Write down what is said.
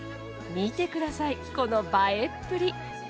見て下さいこの映えっぷり。